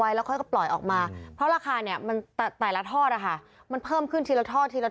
ไว้แล้วปล่อยออกมาราคาแต่ละทอดอะฮะมันเพิ่มขึ้นทีละทอดกีละ